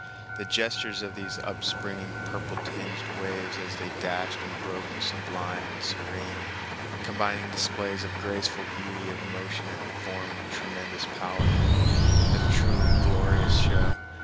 The gestures of these upspringing, purple tinged waves as they dashed and broke were sublime and serene, combining displays of graceful beauty of motion and form with tremendous power—a truly glorious show.